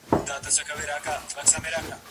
خو له سره ژوندون نه سو پیل کولای